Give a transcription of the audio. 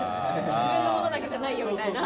自分のものだけじゃないよみたいな。